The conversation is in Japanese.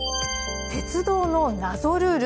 鉄道の謎ルール。